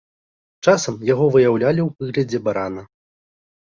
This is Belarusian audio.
Часам, яго выяўлялі ў выглядзе барана.